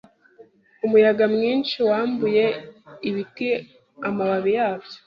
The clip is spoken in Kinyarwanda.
Umuyaga mwinshi wambuye ibiti amababi yabyo.